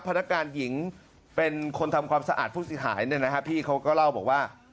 พนักการหญิงเป็นคนทำความสะอาดผู้สิทธิ์หายเนี้ยพี่เขาก็เล่าบอกว่า